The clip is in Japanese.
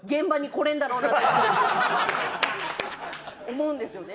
思うんですよね。